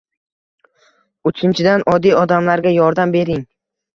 Uchinchidan, oddiy odamlarga yordam bering